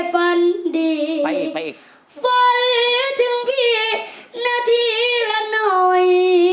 ฟ้าเหลือถึงพี่นาทีละหน่อย